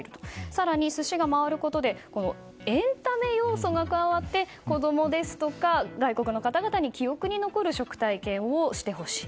更に、寿司が回ることでエンタメ要素が加わって子供や外国の方々に記憶に残る食体験をしてほしい。